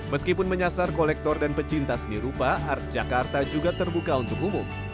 meskipun menyasar kolektor dan pecinta seni rupa art jakarta juga terbuka untuk umum